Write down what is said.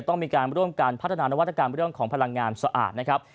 ต้องมีการร่วมกันพัฒนานวัตกรรมเรื่องของพลังงานสะอาดนะครับ